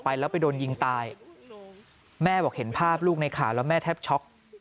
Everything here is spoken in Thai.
ไปแล้วไปโดนยิงตายแม่บอกเห็นภาพลูกในข่าวแล้วแม่แทบช็อก